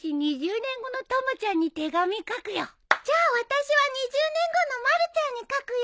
じゃあ私は２０年後のまるちゃんに書くよ。